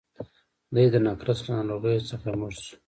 دی د نقرس له ناروغۍ څخه مړ شو.